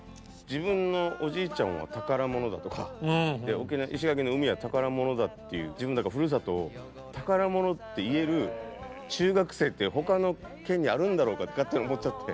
自分のおじいちゃんは宝物だとか石垣の海は宝物だっていう自分らのふるさとを宝物って言える中学生って他の県にあるんだろうかって勝手に思っちゃって。